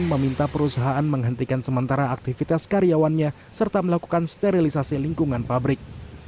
meminta perusahaan menghentikan sementara aktivitas karyawannya serta melakukan sterilisasi lingkungan pabrik